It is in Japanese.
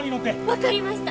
分かりました！